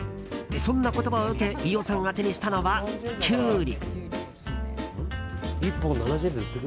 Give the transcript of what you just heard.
そんな言葉を受け飯尾さんが手にしたのはキュウリ。